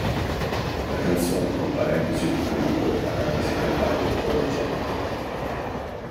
La canzone compare anche sui titoli di coda, anche se cantata dai Pearl Jam.